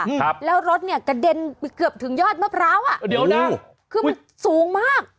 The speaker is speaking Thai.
ครับแล้วรถเนี้ยกระเด็นไปเกือบถึงยอดมะพร้าวอ่ะเดี๋ยวนะคือมันสูงมาก